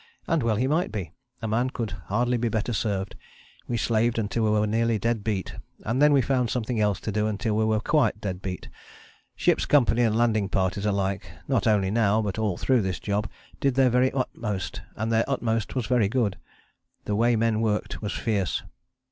And well he might be. A man could hardly be better served. We slaved until we were nearly dead beat, and then we found something else to do until we were quite dead beat. Ship's company and landing parties alike, not only now but all through this job, did their very utmost, and their utmost was very good. The way men worked was fierce.